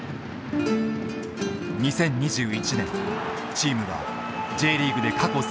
２０２１年チームはＪリーグで過去最高の３位。